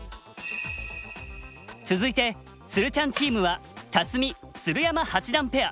続いてつるちゃんチームは辰巳・鶴山八段ペア。